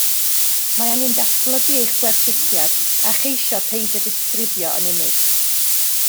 Mae angen datblygu eich gwerthusiad, a cheisio peidio disgrifio yn unig